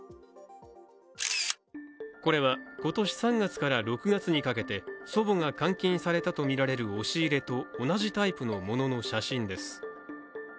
これは、今年３月から６月にかけて祖母が監禁されたとみられる押し入れと同じタイプのものの写真です。